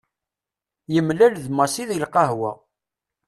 Yemlal d Massi deg lqahwa.